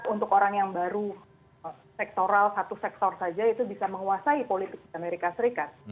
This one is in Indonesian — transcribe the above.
untuk orang yang baru sektoral satu sektor saja itu bisa menguasai politik amerika serikat